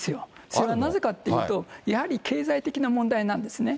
それはなぜかっていうと、やはり経済的な問題なんですね。